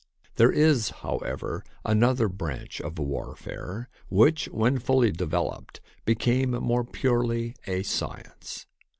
There is, however, another branch of warfare which, when fully developed, became more purely a science.